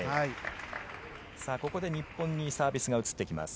ここで日本にサービスが移ってきます。